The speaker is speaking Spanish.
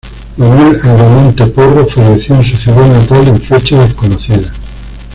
Manuel Agramonte Porro falleció en su ciudad natal en fecha desconocida.